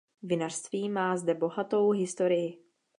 Vinařství má zde bohatou historii.